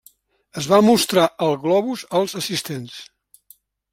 Es va mostrar el globus als assistents.